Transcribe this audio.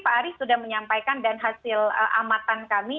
pak ari sudah menyampaikan dan hasil amatan kami